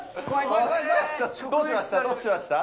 どうしました？